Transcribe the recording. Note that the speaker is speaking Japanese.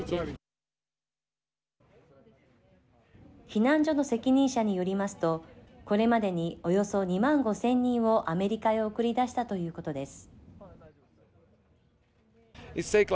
避難所の責任者によりますとこれまでにおよそ２万５０００人をアメリカへ送り出したということです。